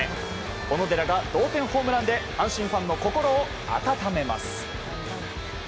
小野寺が同点ホームランで阪神ファンの心を暖めます。